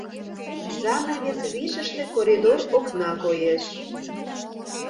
Занавес вишыште коридор окна коеш.